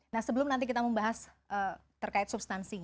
nah sebelum nanti kita membahas terkait substansi